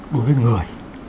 đối với người